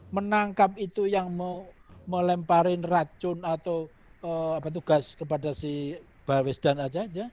menangkap itu yang melemparin racun atau tugas kepada si bawesdan saja